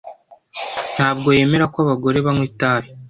Ntabwo yemera ko abagore banywa itabi.